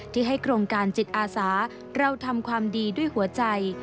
ที่ให้โครงการจิตอาสาเราทำความดีด้วยหัวใจ